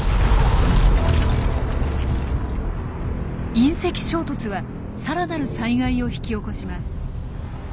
隕石衝突はさらなる災害を引き起こします。